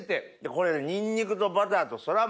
これねニンニクとバターとそりゃあ